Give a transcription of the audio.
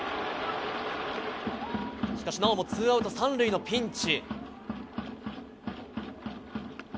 しかし、なおもツーアウト３塁のピンチ。